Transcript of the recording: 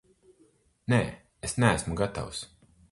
Nē, es neesmu gatavs.